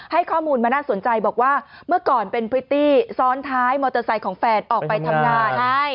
ให้ข้อมูลมาน่าสนใจบอกว่าเมื่อก่อนเป็นพริตตี้ซ้อนท้ายมอเตอร์ไซค์ของแฟนออกไปทำงาน